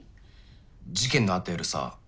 事件のあった夜さ